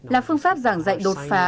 là phương pháp giảng dạy đột phá